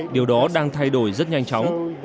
điều đó đang thay đổi rất nhanh chóng